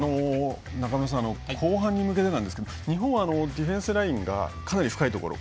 中村さん、後半に向けて日本はディフェンスラインがかなり深いところ。